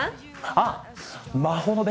あっ！